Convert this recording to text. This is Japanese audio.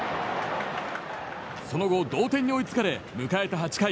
その後、同点に追いつかれ迎えた８回。